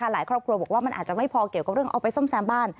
ครอบครัวบอกว่ามันอาจจะไม่พอเกี่ยวกับเรื่องเอาไปซ่อมแซมบ้าน